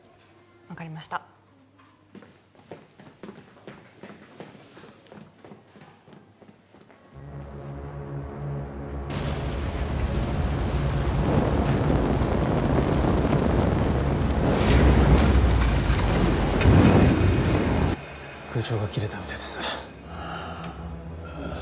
分かりました空調が切れたみたいです